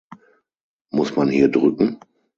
Muss man hier drücken?